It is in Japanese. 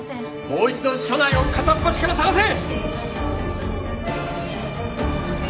もう一度署内を片っ端から捜せ！